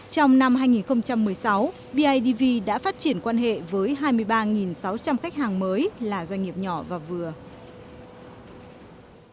trong năm hai nghìn một mươi sáu bidv đã phát triển quan hệ với hai mươi ba sáu trăm linh khách hàng mới là doanh nghiệp nhỏ và vừa